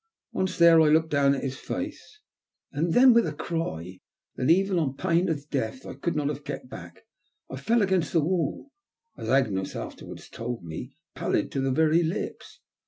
Once there I looked down at his face, and then, with a cry that even on pain of death I could not have kept back, I fell against the wall, as Agnes afterwards told me, pallid to the very lips.